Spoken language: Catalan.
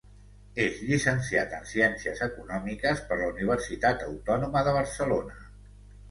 És llicenciat en Ciències Econòmiques per la Universitat Autònoma de Barcelona.